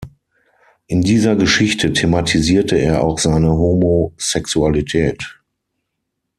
In dieser Geschichte thematisierte er auch seine Homosexualität.